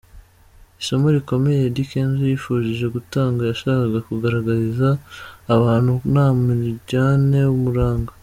Isomo rikomeye Eddy Kenzo yifuje gutanga, yashakaga kugaragariza abantu ko nta mwiryane umuranga .